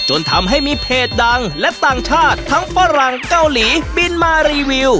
จนทำให้มีเพจดังและต่างชาติทั้งฝรั่งเกาหลีบินมารีวิว